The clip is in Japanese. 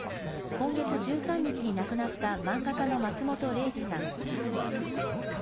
今月１３日に亡くなった漫画家の松本零士さん。